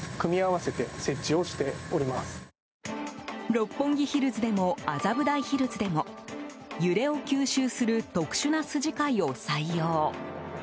六本木ヒルズでも麻布台ヒルズでも揺れを吸収する特殊な筋交いを採用。